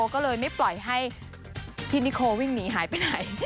ก็เลยไม่ปล่อยให้พี่นิโควิ่งหนีหายไปไหน